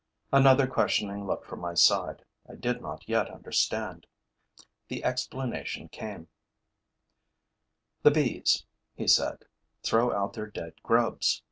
Another questioning look from my side. I did not yet understand. The explanation came: 'The bees,' he said, 'throw out their dead grubs.